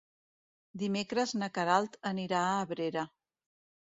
Dimecres na Queralt anirà a Abrera.